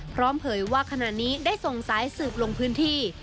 เผยว่าขณะนี้ได้ส่งสายสืบลงพื้นที่